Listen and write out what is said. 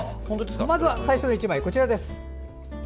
まずは最初の１枚、こちらです。